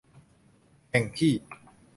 แห่งที่